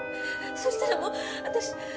そしたらもう私。